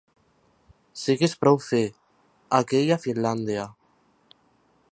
Siguis prou fi, aquí i a Finlàndia.